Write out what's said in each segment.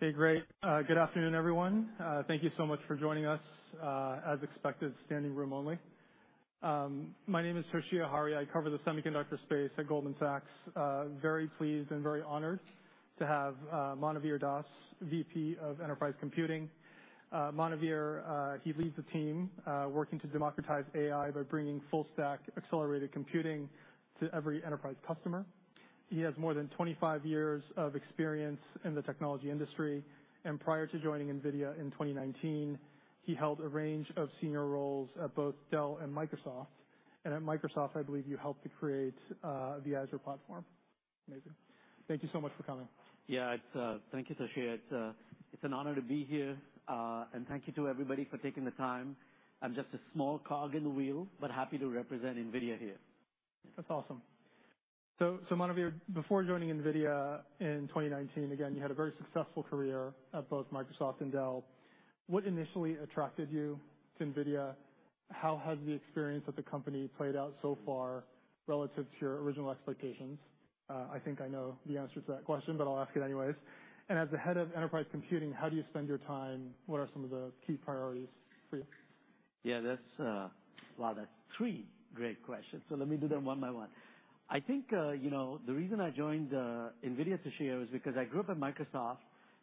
Okay, great. Good afternoon, everyone. Thank you so much for joining us. As expected, standing room only. My name is Toshiya Hari. I cover the semiconductor space at Goldman Sachs. Very pleased and very honored to have Manuvir Das, VP of Enterprise Computing. Manuvir, he leads the team working to democratize AI by bringing full stack accelerated computing to every enterprise customer. He has more than 25 years of experience in the technology industry, and prior to joining NVIDIA in 2019, he held a range of senior roles at both Dell and Microsoft. At Microsoft, I believe you helped to create the Azure platform. Amazing. Thank you so much for coming. Yeah, it's. Thank you, Toshiya. It's an honor to be here, and thank you to everybody for taking the time. I'm just a small cog in the wheel, but happy to represent NVIDIA here. That's awesome. So, so Manuvir, before joining NVIDIA in 2019, again, you had a very successful career at both Microsoft and Dell. What initially attracted you to NVIDIA? How has the experience at the company played out so far relative to your original expectations? I think I know the answer to that question, but I'll ask it anyways. And as the head of enterprise computing, how do you spend your time? What are some of the key priorities for you? Yeah, that's, well, that's three great questions, so let me do them one by one. I think, you know, the reason I joined NVIDIA, Toshiya, is because I grew up in Microsoft,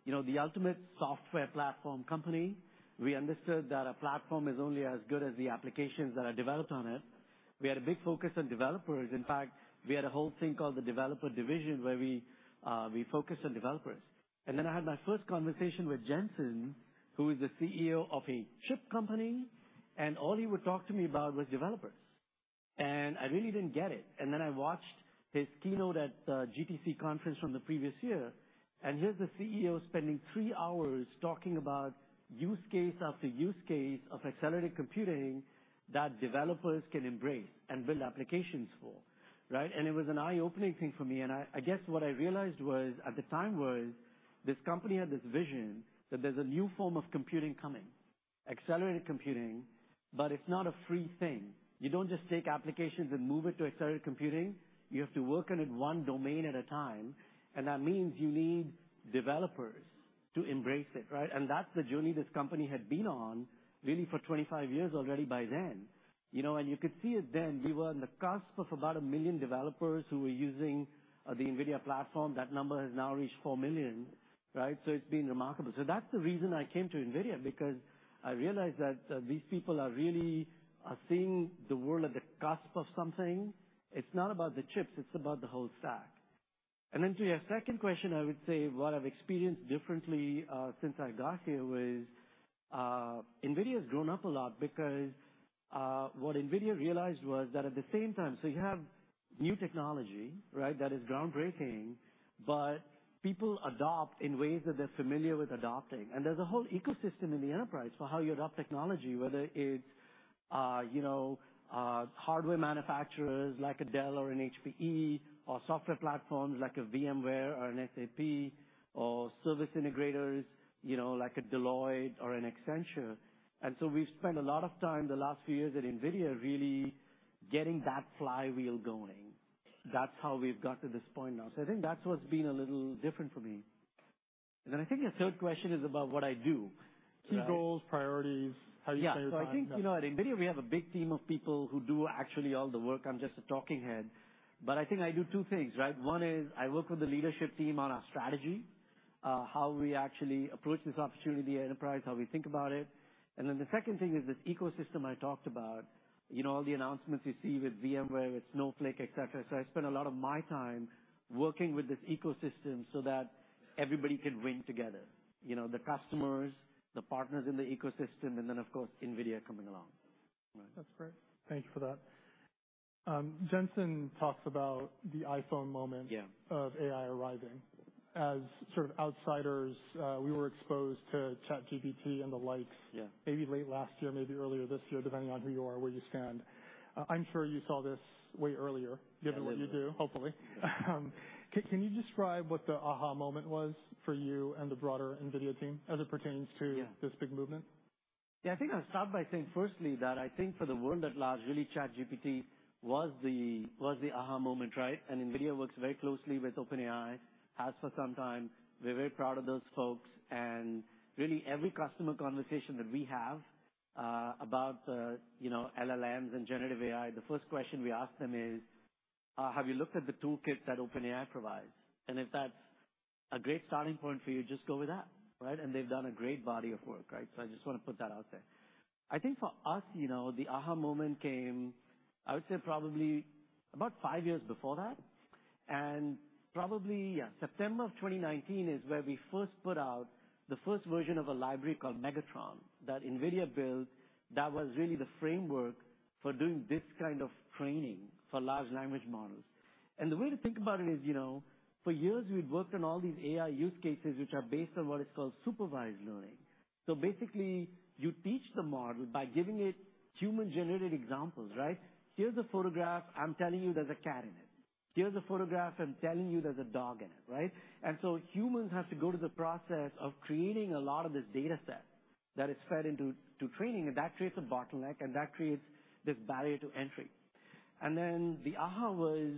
you know, the ultimate software platform company. We understood that a platform is only as good as the applications that are developed on it. We had a big focus on developers. In fact, we had a whole thing called the developer division, where we, we focused on developers. And then I had my first conversation with Jensen, who is the CEO of a chip company, and all he would talk to me about was developers. And I really didn't get it. And then I watched his keynote at GTC conference from the previous year, and here's the CEO spending three hours talking about use case after use case of accelerated computing that developers can embrace and build applications for, right? And it was an eye-opening thing for me. And I guess what I realized was, at the time, was this company had this vision that there's a new form of computing coming, accelerated computing, but it's not a free thing. You don't just take applications and move it to accelerated computing. You have to work on it one domain at a time, and that means you need developers to embrace it, right? And that's the journey this company had been on, really, for 25 years already by then, you know. And you could see it then. We were on the cusp of about 1 million developers who were using the NVIDIA platform. That number has now reached 4 million, right? So it's been remarkable. So that's the reason I came to NVIDIA, because I realized that these people are really seeing the world at the cusp of something. It's not about the chips, it's about the whole stack. And then to your second question, I would say what I've experienced differently since I got here was NVIDIA has grown up a lot because what NVIDIA realized was that at the same time... So you have new technology, right, that is groundbreaking, but people adopt in ways that they're familiar with adopting. There's a whole ecosystem in the enterprise for how you adopt technology, whether it's, you know, hardware manufacturers like a Dell or an HPE or software platforms like a VMware or an SAP or service integrators, you know, like a Deloitte or an Accenture. So we've spent a lot of time the last few years at NVIDIA really getting that flywheel going. That's how we've got to this point now. I think that's what's been a little different for me. Then I think your third question is about what I do. Key roles, priorities, how you spend your time- Yeah. So I think, you know, at NVIDIA, we have a big team of people who do actually all the work. I'm just a talking head, but I think I do two things, right? One is I work with the leadership team on our strategy, how we actually approach this opportunity, the enterprise, how we think about it. And then the second thing is this ecosystem I talked about. You know, all the announcements you see with VMware, with Snowflake, et cetera. So I spend a lot of my time working with this ecosystem so that everybody can win together. You know, the customers, the partners in the ecosystem, and then, of course, NVIDIA coming along. That's great. Thank you for that. Jensen talks about the iPhone moment- Yeah - of AI arriving. As sort of outsiders, we were exposed to ChatGPT and the likes- Yeah maybe late last year, maybe earlier this year, depending on who you are, where you stand. I'm sure you saw this way earlier, given what you do. Hopefully. Can you describe what the aha moment was for you and the broader NVIDIA team as it pertains to- Yeah - this big movement? Yeah, I think I'll start by saying, firstly, that I think for the world at large, really, ChatGPT was the, was the aha moment, right? And NVIDIA works very closely with OpenAI, has for some time. We're very proud of those folks. And really, every customer conversation that we have, about, you know, LLMs and generative AI, the first question we ask them is, "Have you looked at the toolkit that OpenAI provides? And if that's a great starting point for you, just go with that," right? And they've done a great body of work, right? So I just want to put that out there. I think for us, you know, the aha moment came, I would say, probably about five years before that. Probably, yeah, September of 2019 is where we first put out the first version of a library called Megatron that NVIDIA built. That was really the framework for doing this kind of training for large language models. The way to think about it is, you know, for years, we'd worked on all these AI use cases, which are based on what is called supervised learning. So basically, you teach the model by giving it human-generated examples, right? Here's a photograph. I'm telling you there's a cat in it. Here's a photograph, I'm telling you there's a dog in it, right? And so humans have to go to the process of creating a lot of this data set that is fed into, to training, and that creates a bottleneck, and that creates this barrier to entry.... And then the aha was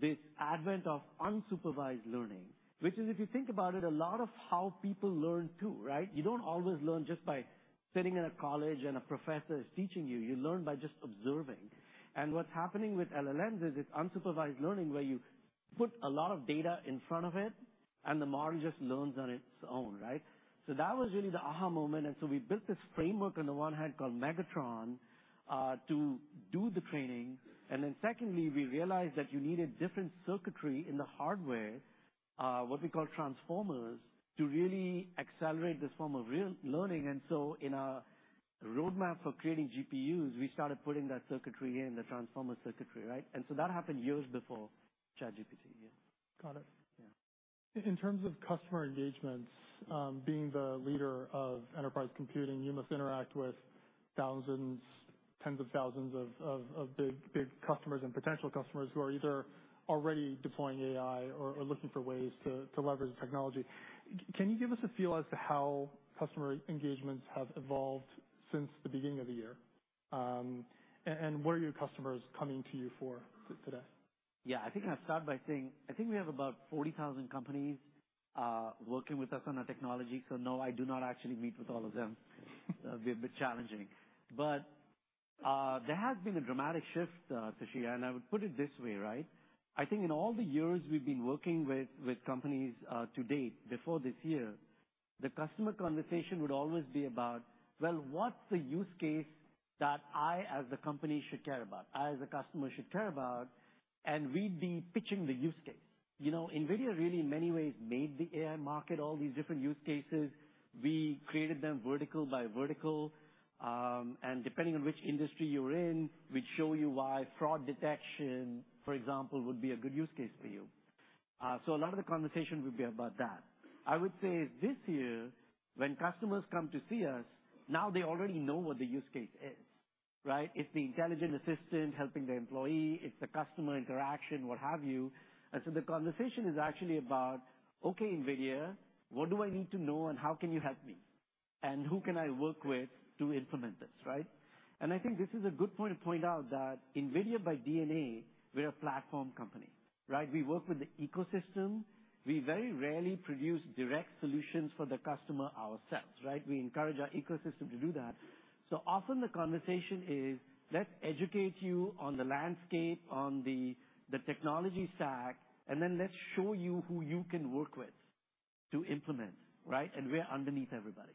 this advent of unsupervised learning, which is, if you think about it, a lot of how people learn, too, right? You don't always learn just by sitting in a college and a professor is teaching you. You learn by just observing. And what's happening with LLMs is it's unsupervised learning, where you put a lot of data in front of it, and the model just learns on its own, right? So that was really the aha moment. And so we built this framework on the one hand, called Megatron, to do the training. And then secondly, we realized that you needed different circuitry in the hardware, what we call Transformers, to really accelerate this form of real learning. And so in our roadmap for creating GPUs, we started putting that circuitry in, the Transformer circuitry, right? And so that happened years before ChatGPT. Yeah. Got it. Yeah. In terms of customer engagements, being the leader of enterprise computing, you must interact with thousands, tens of thousands of big customers and potential customers who are either already deploying AI or looking for ways to leverage the technology. Can you give us a feel as to how customer engagements have evolved since the beginning of the year? And what are your customers coming to you for today? Yeah, I think I'll start by saying, I think we have about 40,000 companies working with us on our technology. So no, I do not actually meet with all of them. That'd be a bit challenging. But there has been a dramatic shift, Toshiya, and I would put it this way, right? I think in all the years we've been working with companies to date, before this year, the customer conversation would always be about: Well, what's the use case that I, as the company, should care about, I, as a customer, should care about? And we'd be pitching the use case. You know, NVIDIA really, in many ways, made the AI market, all these different use cases. We created them vertical by vertical. And depending on which industry you're in, we'd show you why fraud detection, for example, would be a good use case for you. So a lot of the conversation would be about that. I would say this year, when customers come to see us, now they already know what the use case is, right? It's the intelligent assistant helping the employee, it's the customer interaction, what have you. And so the conversation is actually about: Okay, NVIDIA, what do I need to know and how can you help me? And who can I work with to implement this, right? And I think this is a good point to point out that NVIDIA, by DNA, we're a platform company, right? We work with the ecosystem. We very rarely produce direct solutions for the customer ourselves, right? We encourage our ecosystem to do that. So often the conversation is, let's educate you on the landscape, on the, the technology stack, and then let's show you who you can work with to implement, right? And we're underneath everybody.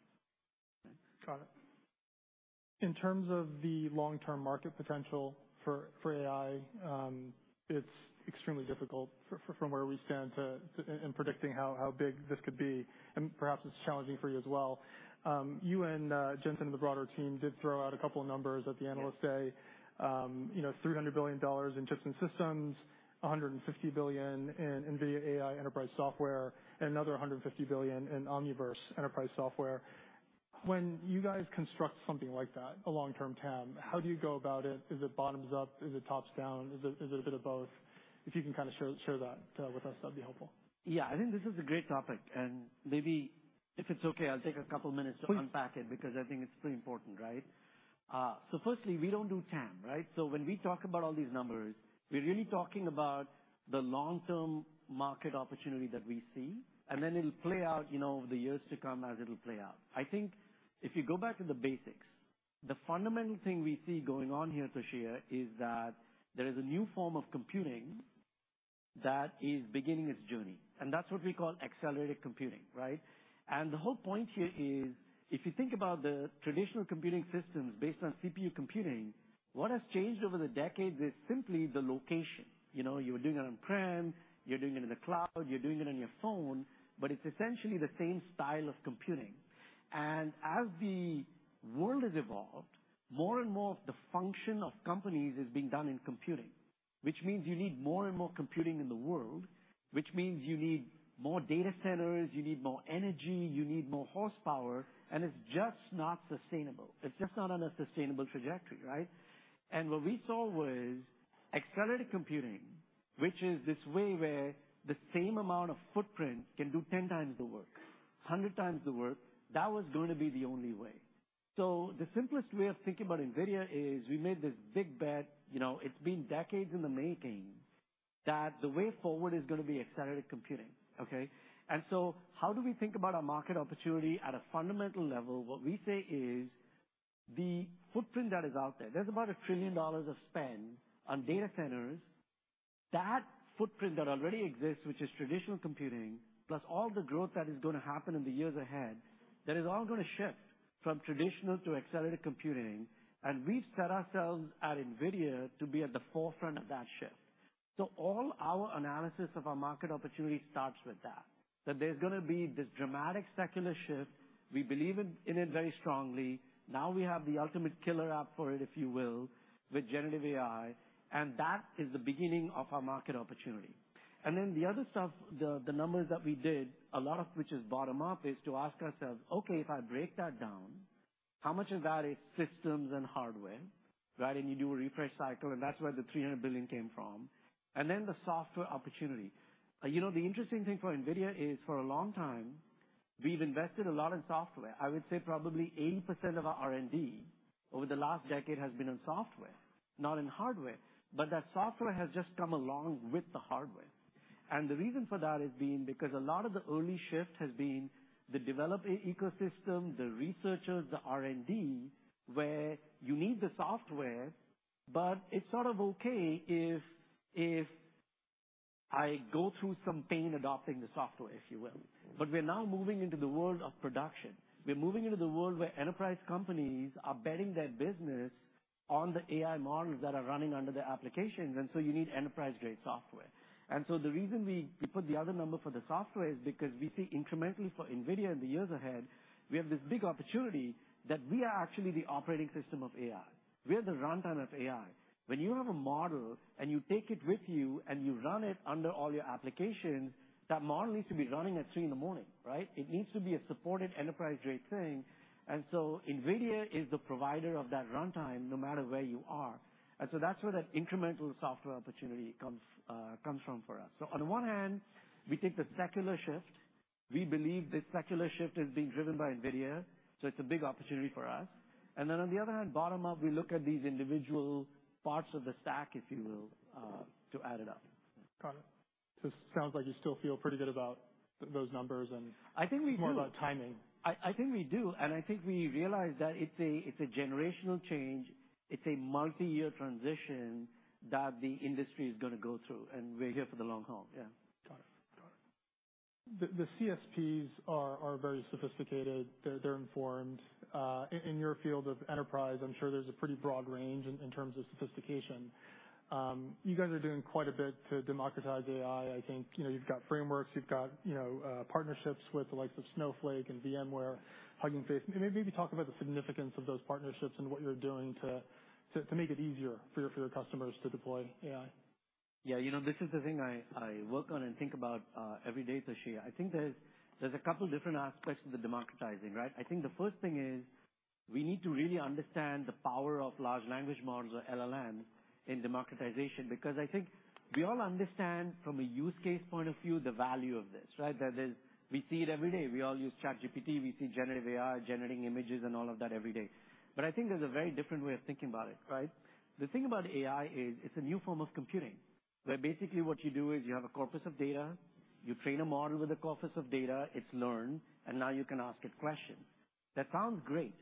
Got it. In terms of the long-term market potential for AI, it's extremely difficult from where we stand in predicting how big this could be, and perhaps it's challenging for you as well. You and Jensen and the broader team did throw out a couple of numbers at the Analyst Day. You know, $300 billion in chips and systems, $150 billion in NVIDIA AI Enterprise software, and another $150 billion in Omniverse Enterprise software. When you guys construct something like that, a long-term TAM, how do you go about it? Is it bottoms up? Is it tops down? Is it a bit of both? If you can kinda share that with us, that'd be helpful. Yeah, I think this is a great topic, and maybe if it's okay, I'll take a couple of minutes to unpack it, because I think it's pretty important, right? So firstly, we don't do TAM, right? So when we talk about all these numbers, we're really talking about the long-term market opportunity that we see, and then it'll play out, you know, over the years to come as it'll play out. I think if you go back to the basics, the fundamental thing we see going on here, Toshiya, is that there is a new form of computing that is beginning its journey, and that's what we call accelerated computing, right? And the whole point here is, if you think about the traditional computing systems based on CPU computing, what has changed over the decades is simply the location. You know, you're doing it on-prem, you're doing it in the cloud, you're doing it on your phone, but it's essentially the same style of computing. And as the world has evolved, more and more of the function of companies is being done in computing, which means you need more and more computing in the world, which means you need more data centers, you need more energy, you need more horsepower, and it's just not sustainable. It's just not on a sustainable trajectory, right? And what we saw was accelerated computing, which is this way where the same amount of footprint can do 10x the work, 100x the work. That was going to be the only way. So the simplest way of thinking about NVIDIA is, we made this big bet, you know, it's been decades in the making, that the way forward is gonna be accelerated computing, okay? And so how do we think about our market opportunity at a fundamental level? What we say is the footprint that is out there, there's about $1 trillion of spend on data centers. That footprint that already exists, which is traditional computing, plus all the growth that is gonna happen in the years ahead, that is all gonna shift from traditional to accelerated computing, and we've set ourselves at NVIDIA to be at the forefront of that shift. So all our analysis of our market opportunity starts with that, that there's gonna be this dramatic secular shift. We believe in, in it very strongly. Now we have the ultimate killer app for it, if you will, with generative AI, and that is the beginning of our market opportunity. And then the other stuff, the numbers that we did, a lot of which is bottom-up, is to ask ourselves: Okay, if I break that down, how much of that is systems and hardware, right? And you do a refresh cycle, and that's where the $300 billion came from, and then the software opportunity. You know, the interesting thing for NVIDIA is, for a long time... We've invested a lot in software. I would say probably 80% of our R&D over the last decade has been in software, not in hardware. But that software has just come along with the hardware. The reason for that has been because a lot of the early shift has been the developer ecosystem, the researchers, the R&D, where you need the software, but it's sort of okay if I go through some pain adopting the software, if you will. But we're now moving into the world of production. We're moving into the world where enterprise companies are betting their business on the AI models that are running under their applications, and so you need enterprise-grade software. The reason we put the other number for the software is because we see incrementally for NVIDIA in the years ahead, we have this big opportunity that we are actually the operating system of AI. We are the runtime of AI. When you have a model and you take it with you, and you run it under all your applications, that model needs to be running at three in the morning, right? It needs to be a supported, enterprise-grade thing. And so NVIDIA is the provider of that runtime, no matter where you are. And so that's where that incremental software opportunity comes, comes from for us. So on the one hand, we take the secular shift. We believe this secular shift is being driven by NVIDIA, so it's a big opportunity for us. And then on the other hand, bottom up, we look at these individual parts of the stack, if you will, to add it up. Got it. So it sounds like you still feel pretty good about those numbers, and- I think we do. More about timing. I think we do, and I think we realize that it's a generational change. It's a multi-year transition that the industry is gonna go through, and we're here for the long haul. Yeah. Got it. Got it. The CSPs are very sophisticated. They're informed. In your field of enterprise, I'm sure there's a pretty broad range in terms of sophistication. You guys are doing quite a bit to democratize AI. I think, you know, you've got frameworks, you've got, you know, partnerships with the likes of Snowflake and VMware, Hugging Face. Maybe talk about the significance of those partnerships and what you're doing to make it easier for your customers to deploy AI. Yeah, you know, this is the thing I, I work on and think about, every day, Toshiya. I think there's, there's a couple different aspects to the democratizing, right? I think the first thing is, we need to really understand the power of large language models, or LLM, in democratization, because I think we all understand from a use case point of view, the value of this, right? That is, we see it every day. We all use ChatGPT, we see generative AI, generating images and all of that every day. But I think there's a very different way of thinking about it, right? The thing about AI is it's a new form of computing, where basically what you do is you have a corpus of data, you train a model with a corpus of data, it's learned, and now you can ask it questions. That sounds great,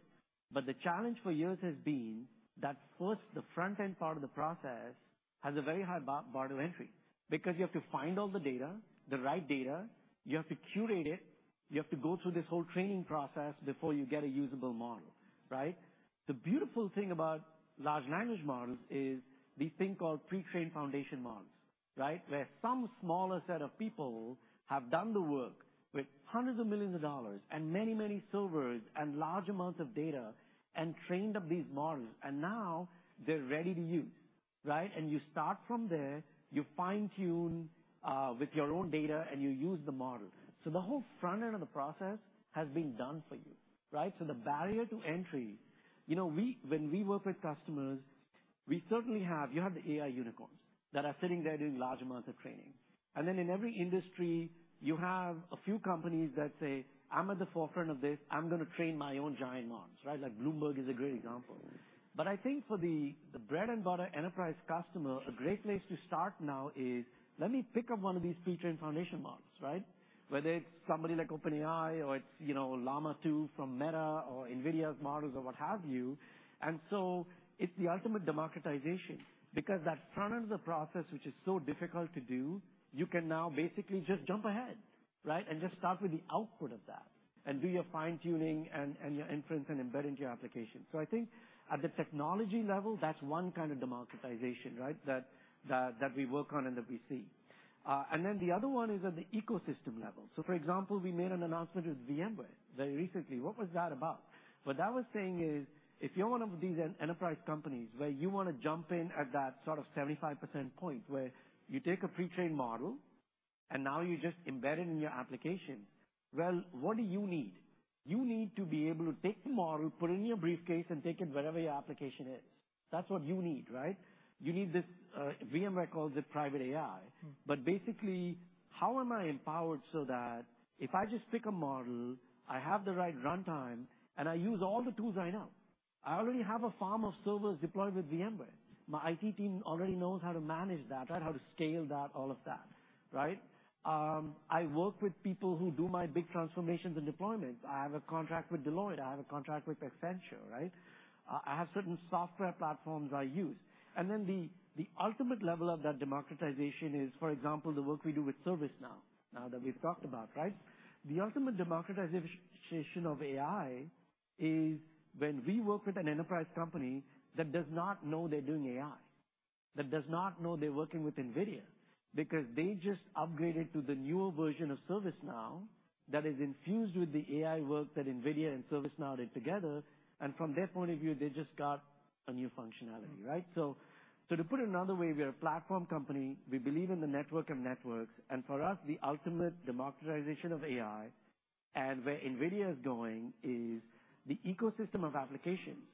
but the challenge for years has been that first, the front-end part of the process has a very high barrier to entry because you have to find all the data, the right data, you have to curate it, you have to go through this whole training process before you get a usable model, right? The beautiful thing about large language models is these things called pre-trained foundation models, right? Where some smaller set of people have done the work with hundreds of millions of dollars and many, many servers and large amounts of data and trained up these models, and now they're ready to use, right? And you start from there, you fine-tune with your own data, and you use the model. So the whole front end of the process has been done for you, right? So the barrier to entry... You know, when we work with customers, we certainly have the AI unicorns that are sitting there doing large amounts of training. And then in every industry, you have a few companies that say, "I'm at the forefront of this. I'm gonna train my own giant models," right? Like Bloomberg is a great example. But I think for the bread-and-butter enterprise customer, a great place to start now is: Let me pick up one of these pre-trained foundation models, right? Whether it's somebody like OpenAI or it's, you know, Llama 2 from Meta or NVIDIA's models or what have you. And so it's the ultimate democratization, because that front end of the process, which is so difficult to do, you can now basically just jump ahead, right? And just start with the output of that and do your fine-tuning and your inference and embedding your application. So I think at the technology level, that's one kind of democratization, right? That we work on and that we see. And then the other one is at the ecosystem level. So for example, we made an announcement with VMware very recently. What was that about? What that was saying is, if you're one of these enterprise companies where you wanna jump in at that sort of 75% point, where you take a pre-trained model and now you just embed it in your application, well, what do you need? You need to be able to take the model, put it in your briefcase, and take it wherever your application is. That's what you need, right? You need this, VMware calls it Private AI. Mm. Basically, how am I empowered so that if I just pick a model, I have the right runtime, and I use all the tools I know. I already have a farm of servers deployed with VMware. My IT team already knows how to manage that, right, how to scale that, all of that, right? I work with people who do my big transformations and deployments. I have a contract with Deloitte. I have a contract with Accenture, right? I have certain software platforms I use. And then the ultimate level of that democratization is, for example, the work we do with ServiceNow, now that we've talked about, right? The ultimate democratization of AI is when we work with an enterprise company that does not know they're doing AI, that does not know they're working with NVIDIA, because they just upgraded to the newer version of ServiceNow that is infused with the AI work that NVIDIA and ServiceNow did together. And from their point of view, they just got a new functionality, right? Mm. So, so to put it another way, we are a platform company. We believe in the network of networks, and for us, the ultimate democratization of AI, and where NVIDIA is going, is the ecosystem of applications....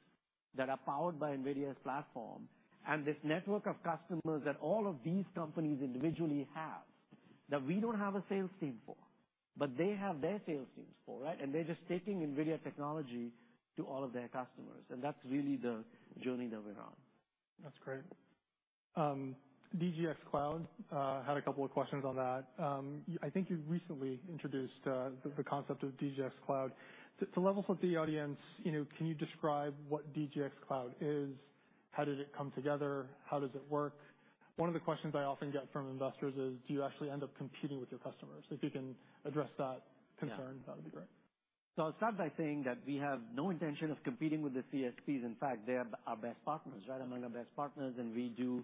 that are powered by NVIDIA's platform and this network of customers that all of these companies individually have, that we don't have a sales team for, but they have their sales teams for, right? And they're just taking NVIDIA technology to all of their customers, and that's really the journey that we're on. That's great. DGX Cloud, had a couple of questions on that. I think you recently introduced the concept of DGX Cloud. To level set the audience, you know, can you describe what DGX Cloud is? How did it come together? How does it work? One of the questions I often get from investors is, do you actually end up competing with your customers? So if you can address that concern- Yeah. That would be great. So I'll start by saying that we have no intention of competing with the CSPs. In fact, they are our best partners, right? Among our best partners, and we do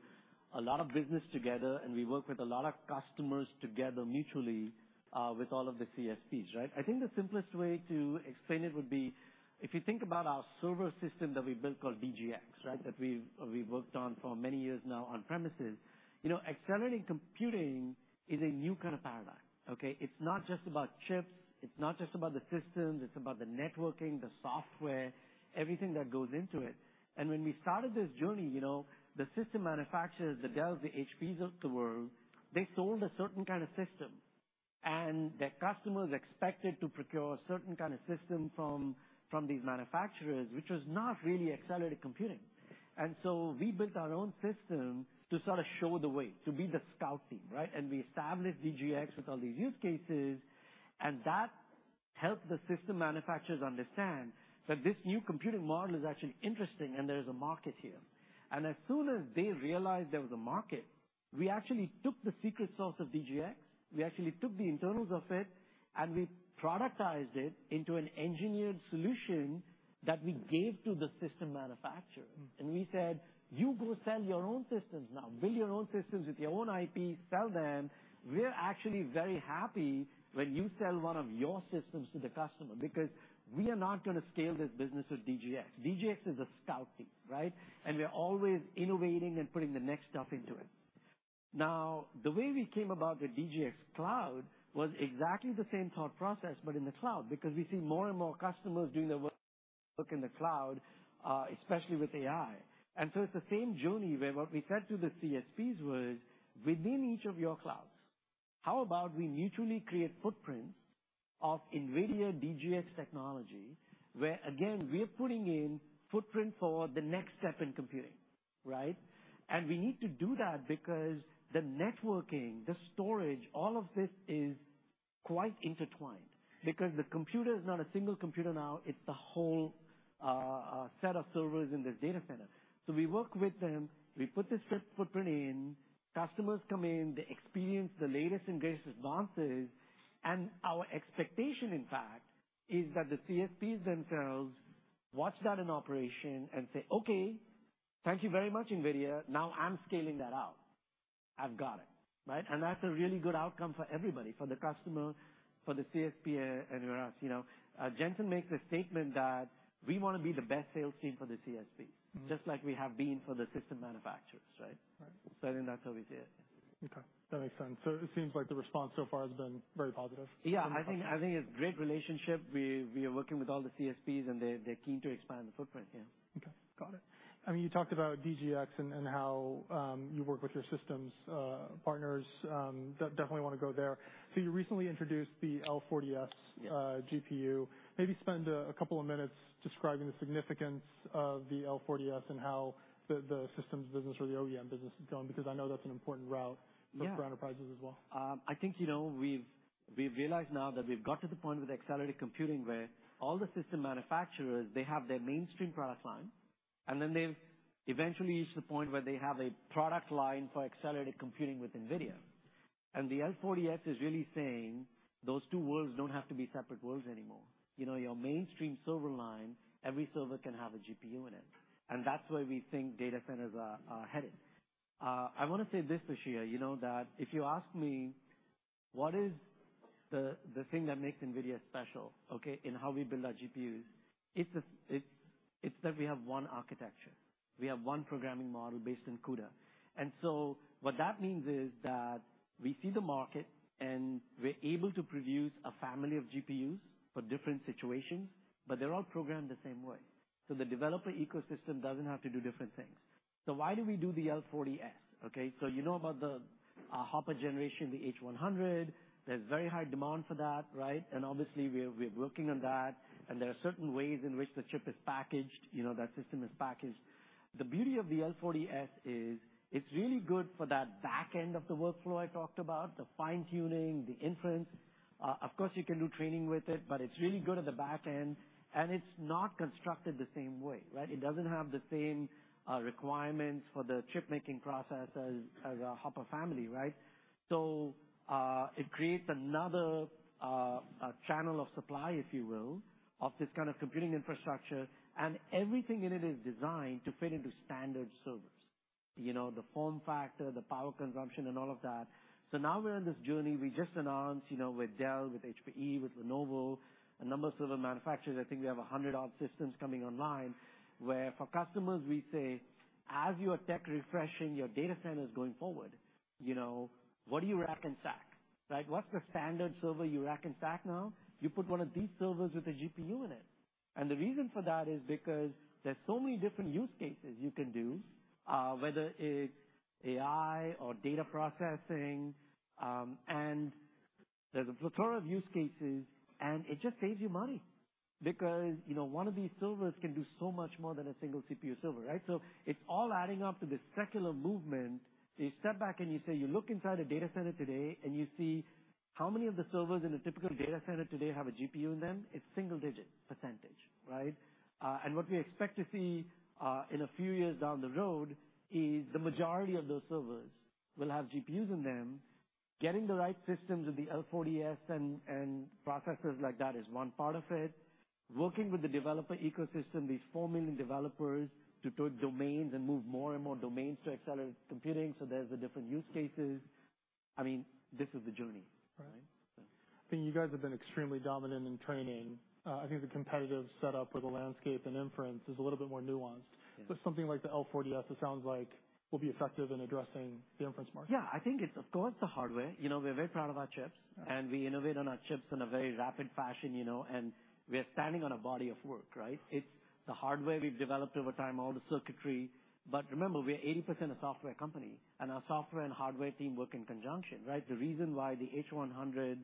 a lot of business together, and we work with a lot of customers together mutually with all of the CSPs, right? I think the simplest way to explain it would be, if you think about our server system that we built called DGX, right? That we've, we've worked on for many years now on premises. You know, accelerated computing is a new kind of paradigm, okay? It's not just about chips, it's not just about the systems, it's about the networking, the software, everything that goes into it. And when we started this journey, you know, the system manufacturers, the Dells, the HPs of the world, they sold a certain kind of system, and their customers expected to procure a certain kind of system from, from these manufacturers, which was not really accelerated computing. And so we built our own system to sort of show the way, to be the scout team, right? And we established DGX with all these use cases, and that helped the system manufacturers understand that this new computing model is actually interesting and there is a market here. And as soon as they realized there was a market, we actually took the secret sauce of DGX, we actually took the internals of it, and we productized it into an engineered solution that we gave to the system manufacturer. Mm. And we said, "You go sell your own systems now. Build your own systems with your own IP, sell them. We're actually very happy when you sell one of your systems to the customer, because we are not gonna scale this business with DGX." DGX is a scout team, right? And we are always innovating and putting the next stuff into it. Now, the way we came about the DGX Cloud was exactly the same thought process, but in the cloud, because we see more and more customers doing their work in the cloud, especially with AI. And so it's the same journey where what we said to the CSPs was: Within each of your clouds, how about we mutually create footprints of NVIDIA DGX technology, where, again, we are putting in footprint for the next step in computing, right? And we need to do that because the networking, the storage, all of this is quite intertwined. Because the computer is not a single computer now, it's a whole set of servers in the data center. So we work with them, we put this footprint in, customers come in, they experience the latest and greatest advances, and our expectation, in fact, is that the CSPs themselves watch that in operation and say, "Okay, thank you very much, NVIDIA. Now I'm scaling that out. I've got it." Right? And that's a really good outcome for everybody, for the customer, for the CSP and everyone else, you know. Jensen makes a statement that we wanna be the best sales team for the CSPs- Mm. Just like we have been for the system manufacturers, right? Right. So I think that's how we see it. Okay, that makes sense. It seems like the response so far has been very positive? Yeah. I think it's great relationship. We are working with all the CSPs, and they're keen to expand the footprint, yeah. Okay, got it. I mean, you talked about DGX and how you work with your systems partners. Definitely wanna go there. So you recently introduced the L40S GPU. Maybe spend a couple of minutes describing the significance of the L40S and how the systems business or the OEM business is going, because I know that's an important route- Yeah. for enterprises as well. I think, you know, we've realized now that we've got to the point with accelerated computing, where all the system manufacturers, they have their mainstream product line, and then they've eventually reached the point where they have a product line for accelerated computing with NVIDIA. And the L40S is really saying, those two worlds don't have to be separate worlds anymore. You know, your mainstream server line, every server can have a GPU in it, and that's where we think data centers are headed. I wanna say this, Toshiya, you know, that if you ask me, what is the thing that makes NVIDIA special, okay, in how we build our GPUs? It's that we have one architecture. We have one programming model based in CUDA. And so what that means is that we see the market, and we're able to produce a family of GPUs for different situations, but they're all programmed the same way. So the developer ecosystem doesn't have to do different things. So why do we do the L40S? Okay, so you know about the Hopper generation, the H100. There's very high demand for that, right? And obviously, we're working on that, and there are certain ways in which the chip is packaged, you know, that system is packaged. The beauty of the L40S is, it's really good for that back end of the workflow I talked about, the fine-tuning, the inference. Of course, you can do training with it, but it's really good at the back end, and it's not constructed the same way, right? It doesn't have the same requirements for the chip-making process as a Hopper family, right? So, it creates another channel of supply, if you will, of this kind of computing infrastructure. Everything in it is designed to fit into standard servers. You know, the form factor, the power consumption, and all of that. So now we're on this journey. We just announced, you know, with Dell, with HPE, with Lenovo, a number of server manufacturers. I think we have 100-odd systems coming online, where for customers we say: As you are tech refreshing your data centers going forward, you know, what do you rack and stack?... Right, what's the standard server you rack and stack now? You put one of these servers with a GPU in it. And the reason for that is because there's so many different use cases you can do, whether it's AI or data processing, and there's a plethora of use cases, and it just saves you money because, you know, one of these servers can do so much more than a single CPU server, right? So it's all adding up to this secular movement. You step back and you say, you look inside a data center today, and you see how many of the servers in a typical data center today have a GPU in them? It's single-digit %, right? And what we expect to see, in a few years down the road is the majority of those servers will have GPUs in them. Getting the right systems with the L40S and processors like that is one part of it. Working with the developer ecosystem, these 4 million developers to build domains and move more and more domains to accelerated computing, so there's the different use cases. I mean, this is the journey, right? I think you guys have been extremely dominant in training. I think the competitive setup or the landscape and inference is a little bit more nuanced. Yeah. Something like the L40S, it sounds like will be effective in addressing the inference market. Yeah, I think it's, of course, the hardware. You know, we're very proud of our chips- Yeah. And we innovate on our chips in a very rapid fashion, you know, and we are standing on a body of work, right? It's the hardware we've developed over time, all the circuitry. But remember, we're 80% a software company, and our software and hardware team work in conjunction, right? The reason why the H100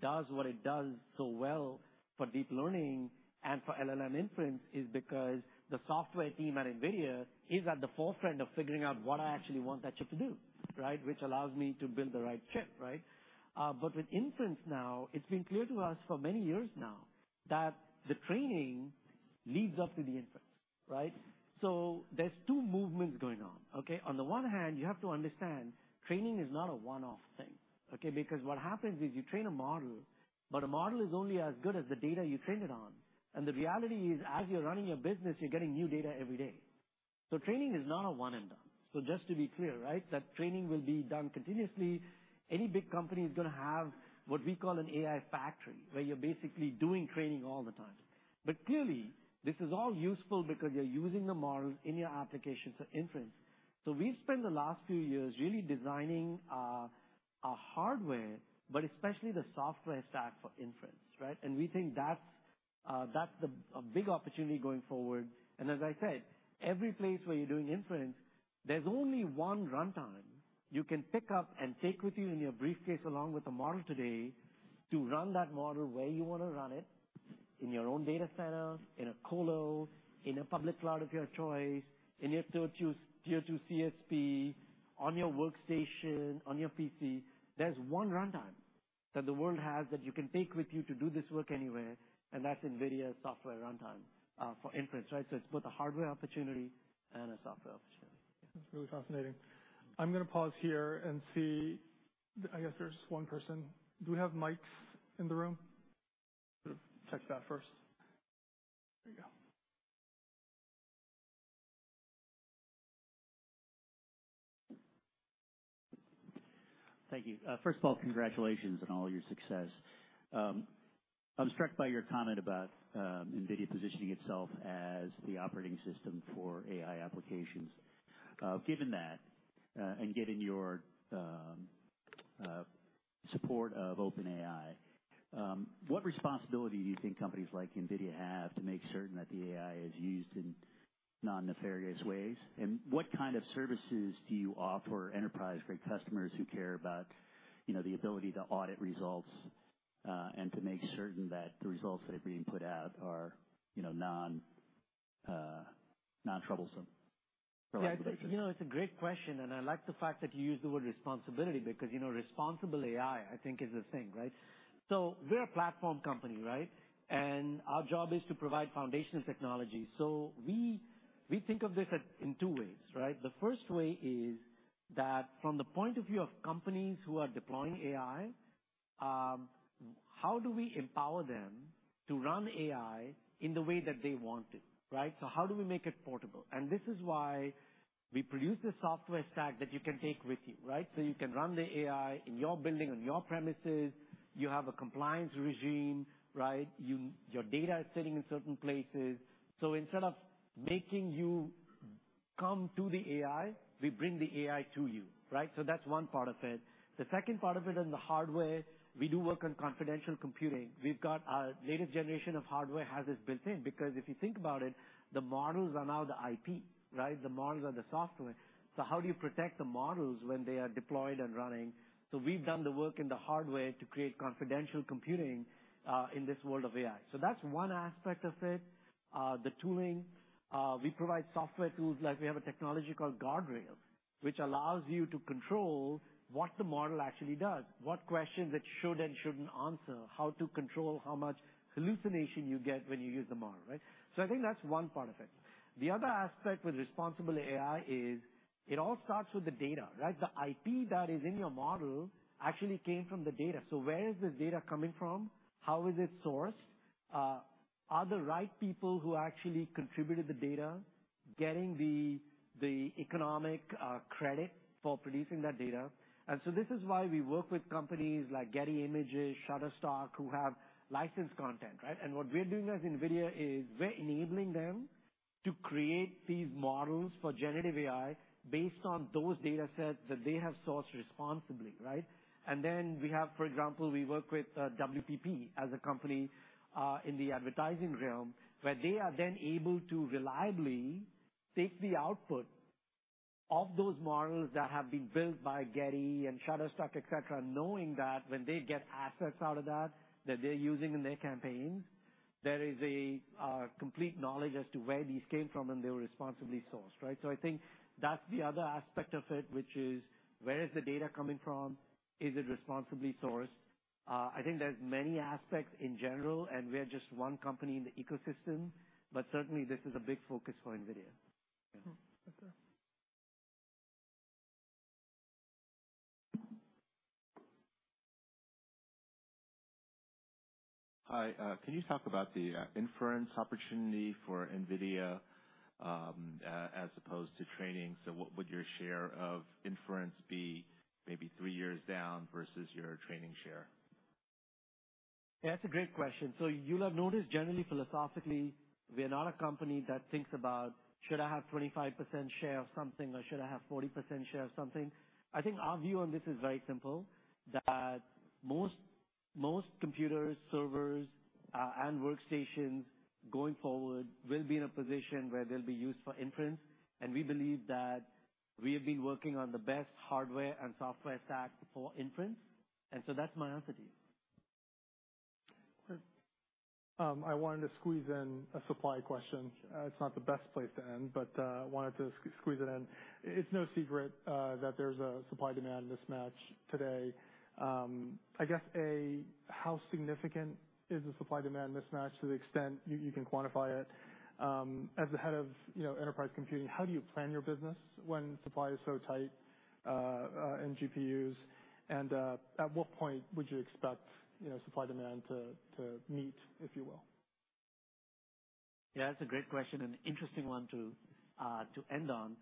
does what it does so well for deep learning and for LLM inference is because the software team at NVIDIA is at the forefront of figuring out what I actually want that chip to do, right? Which allows me to build the right chip, right? But with inference now, it's been clear to us for many years now that the training leads up to the inference, right? So there's two movements going on, okay? On the one hand, you have to understand, training is not a one-off thing, okay? Because what happens is you train a model, but a model is only as good as the data you train it on. And the reality is, as you're running your business, you're getting new data every day. So training is not a one and done. So just to be clear, right, that training will be done continuously. Any big company is gonna have what we call an AI factory, where you're basically doing training all the time. But clearly, this is all useful because you're using the models in your application for inference. So we've spent the last few years really designing a hardware, but especially the software stack for inference, right? And we think that's the a big opportunity going forward. And as I said, every place where you're doing inference, there's only one runtime you can pick up and take with you in your briefcase, along with the model today, to run that model where you want to run it, in your own data center, in a colo, in a public cloud of your choice, in your Tier 2, Tier 2 CSP, on your workstation, on your PC. There's one runtime that the world has that you can take with you to do this work anywhere, and that's NVIDIA software runtime for inference, right? So it's both a hardware opportunity and a software opportunity. That's really fascinating. I'm gonna pause here and see. I guess there's one person. Do we have mics in the room? Check that first. There you go. Thank you. First of all, congratulations on all your success. I'm struck by your comment about NVIDIA positioning itself as the operating system for AI applications. Given that, and given your support of OpenAI, what responsibility do you think companies like NVIDIA have to make certain that the AI is used in non-nefarious ways? And what kind of services do you offer enterprise-grade customers who care about, you know, the ability to audit results, and to make certain that the results that are being put out are, you know, non, non-troublesome? You know, it's a great question, and I like the fact that you used the word responsibility, because, you know, responsible AI, I think, is a thing, right? So we're a platform company, right? And our job is to provide foundational technology. So we, we think of this in two ways, right? The first way is that from the point of view of companies who are deploying AI, how do we empower them to run AI in the way that they want it, right? So how do we make it portable? And this is why we produce the software stack that you can take with you, right? So you can run the AI in your building, on your premises, you have a compliance regime, right? Your data is sitting in certain places. So instead of making you come to the AI, we bring the AI to you, right? So that's one part of it. The second part of it, in the hardware, we do work on confidential computing. We've got our latest generation of hardware has this built in, because if you think about it, the models are now the IP, right? The models are the software. So how do you protect the models when they are deployed and running? So we've done the work in the hardware to create confidential computing in this world of AI. So that's one aspect of it. The tooling, we provide software tools like we have a technology called Guardrails, which allows you to control what the model actually does, what questions it should and shouldn't answer, how to control how much hallucination you get when you use the model, right? So I think that's one part of it. The other aspect with responsible AI is it all starts with the data, right? The IP that is in your model actually came from the data. So where is the data coming from? How is it sourced? Are the right people who actually contributed the data getting the economic credit for producing that data? And so this is why we work with companies like Getty Images, Shutterstock, who have licensed content, right? And what we're doing as NVIDIA is, we're enabling them to create these models for generative AI based on those data sets that they have sourced responsibly, right? And then we have, for example, we work with, WPP as a company, in the advertising realm, where they are then able to reliably take the output of those models that have been built by Getty and Shutterstock, et cetera, knowing that when they get assets out of that, that they're using in their campaigns, there is a, complete knowledge as to where these came from, and they were responsibly sourced, right? So I think that's the other aspect of it, which is: Where is the data coming from? Is it responsibly sourced? I think there's many aspects in general, and we are just one company in the ecosystem, but certainly, this is a big focus for NVIDIA. Okay. Hi. Can you talk about the inference opportunity for NVIDIA as opposed to training? So what would your share of inference be maybe three years down versus your training share? Yeah, that's a great question. So you'll have noticed, generally, philosophically, we are not a company that thinks about, should I have 25% share of something or should I have 40% share of something? I think our view on this is very simple, that most, most computers, servers, and workstations going forward will be in a position where they'll be used for inference, and we believe that we have been working on the best hardware and software stack for inference, and so that's my answer to you. Great. I wanted to squeeze in a supply question. It's not the best place to end, but I wanted to squeeze it in. It's no secret that there's a supply-demand mismatch today. I guess, A, how significant is the supply-demand mismatch, to the extent you can quantify it? As the head of, you know, enterprise computing, how do you plan your business when supply is so tight in GPUs? And, at what point would you expect, you know, supply-demand to meet, if you will? Yeah, that's a great question and an interesting one to end on.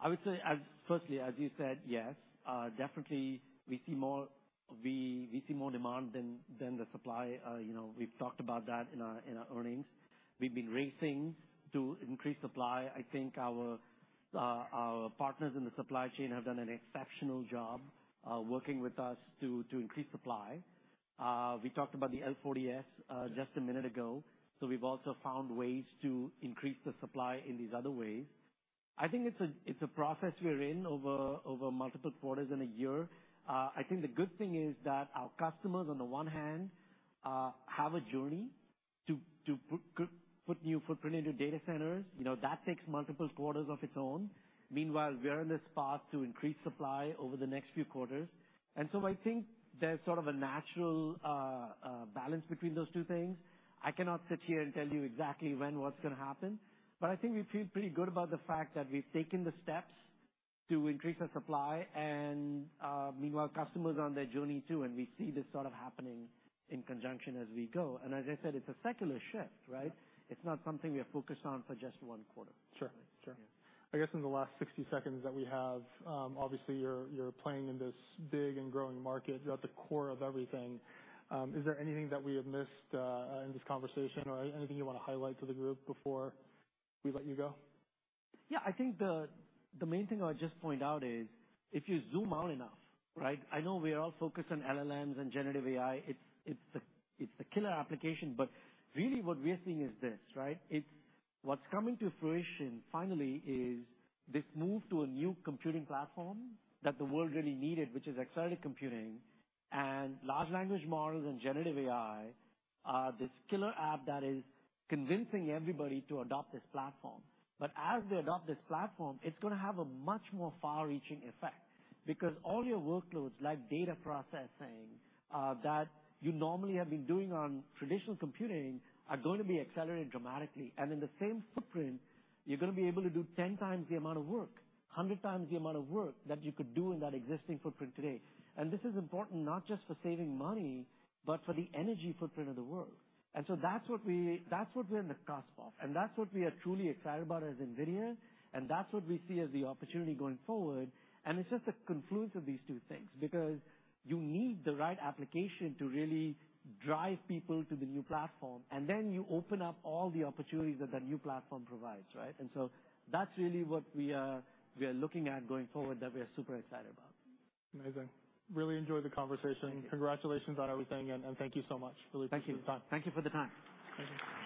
I would say, as firstly, as you said, yes, definitely we see more. We see more demand than the supply. You know, we've talked about that in our earnings. We've been racing to increase supply. I think our partners in the supply chain have done an exceptional job, working with us to increase supply. We talked about the L40S just a minute ago, so we've also found ways to increase the supply in these other ways. I think it's a process we are in over multiple quarters in a year. I think the good thing is that our customers, on the one hand, have a journey to put new footprint into data centers. You know, that takes multiple quarters of its own. Meanwhile, we are on this path to increase supply over the next few quarters. And so I think there's sort of a natural balance between those two things. I cannot sit here and tell you exactly when what's gonna happen, but I think we feel pretty good about the fact that we've taken the steps to increase our supply, and meanwhile, customers are on their journey, too, and we see this sort of happening in conjunction as we go. And as I said, it's a secular shift, right? It's not something we are focused on for just one quarter. Sure. Sure. I guess in the last 60 seconds that we have, obviously, you're playing in this big and growing market. You're at the core of everything. Is there anything that we have missed, in this conversation or anything you wanna highlight to the group before we let you go? Yeah, I think the, the main thing I'll just point out is, if you zoom out enough, right? I know we are all focused on LLMs and generative AI. It's, it's the, it's the killer application, but really what we are seeing is this, right? It's what's coming to fruition finally is this move to a new computing platform that the world really needed, which is accelerated computing, and large language models and generative AI are this killer app that is convincing everybody to adopt this platform. But as they adopt this platform, it's gonna have a much more far-reaching effect because all your workloads, like data processing, that you normally have been doing on traditional computing, are going to be accelerated dramatically. And in the same footprint, you're gonna be able to do 10x the amount of work, 100x the amount of work that you could do in that existing footprint today. And this is important not just for saving money, but for the energy footprint of the world. And so that's what we, that's what we're on the cusp of, and that's what we are truly excited about as NVIDIA, and that's what we see as the opportunity going forward. And it's just a confluence of these two things, because you need the right application to really drive people to the new platform, and then you open up all the opportunities that the new platform provides, right? And so that's really what we are, we are looking at going forward, that we are super excited about. Amazing. Really enjoyed the conversation. Congratulations on everything, and, and thank you so much. Really appreciate the time. Thank you. Thank you for the time. Thank you.